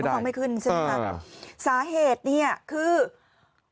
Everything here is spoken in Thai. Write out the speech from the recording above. เขาฟังไม่ขึ้นใช่ไหมคะสาเหตุนี่คือไม่ได้